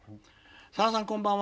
「さださんこんばんは」。